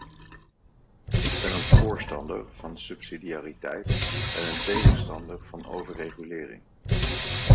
Ik ben een voorstander van subsidiariteit en een tegenstander van overregulering.